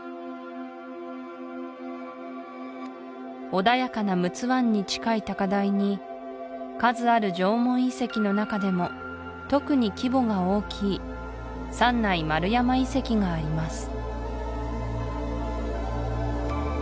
穏やかな陸奥湾に近い高台に数ある縄文遺跡の中でも特に規模が大きいがあります